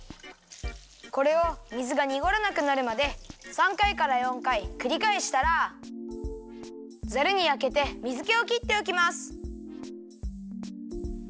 これを水がにごらなくなるまで３かいから４かいくりかえしたらザルにあけて水けをきっておきます。